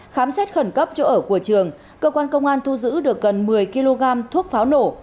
khám xét khẩn cấp chỗ ở của trường cơ quan công an thu giữ được gần một mươi kg thuốc pháo nổ